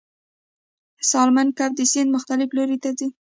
سالمن کب د سیند مخالف لوري ته ځي